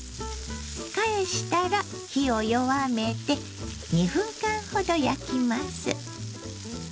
返したら火を弱めて２分間ほど焼きます。